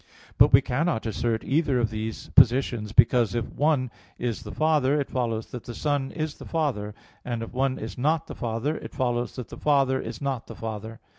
But we cannot assert either of these positions because if the one is the Father, it follows that the Son is the Father; and if the one is not the Father, it follows that the Father is not the Father.